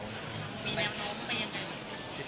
มีแนวโมเมนอ่ะ